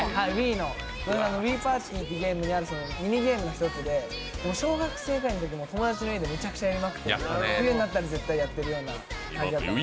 ＷｉｉＰａｒｔｙにあるミニゲームの１つで小学生ぐらいのときに友達の家でめちゃくちゃやりまくっていて冬になったら絶対やってるような感じだったんです。